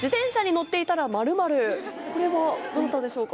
これはどなたでしょうか？